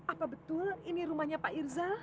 apa betul ini rumahnya pak irzal